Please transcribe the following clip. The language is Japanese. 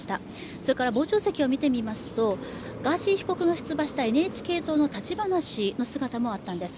それから傍聴席を見てみますとガーシー被告が出馬したＮＨＫ党の立花氏の姿もあったんです。